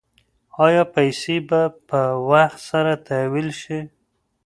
ایا پیسې به په وخت سره تحویل شي؟